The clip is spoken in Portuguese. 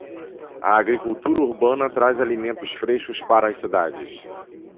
A agricultura urbana traz alimentos frescos para as cidades.